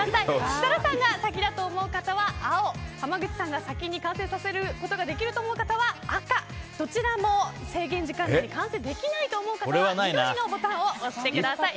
設楽さんが先だと思う方は青濱口さんが先に完成させることができると思う方は赤のボタンをどちらも制限時間内に完成できないと思う方は緑のボタンを押してください。